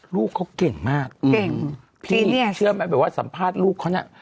ลูกเขาเก่งมากเก่งพี่เชื่อไหมแบบว่าสัมภาษณ์ลูกเขาน่ะ